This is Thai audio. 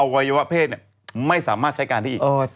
อวัยวะเพศเนี่ยไม่สามารถใช้การที่อีก